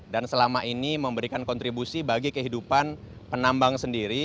dan selama ini memberikan kontribusi bagi kehidupan penambang sendiri